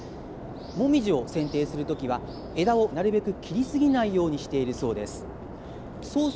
モミジをせんていするときは、枝をなるべく切り過ぎないようにしているそうです。